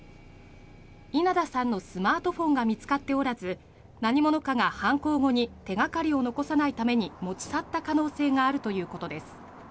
稲田さんのスマートフォンが見つかっておらず何者かが犯行後に手がかりを残さないために持ち去った可能性があるということです。